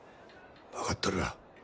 分かっとるわ。